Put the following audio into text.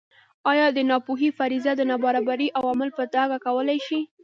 ایا د ناپوهۍ فرضیه د نابرابرۍ عوامل په ډاګه کولای شي.